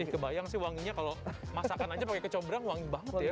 ih kebayang sih wanginya kalo masakan aja pake kecombrang wangi banget ya